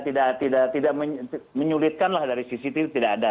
ini tidak menyulitkan lah dari sisi tidak ada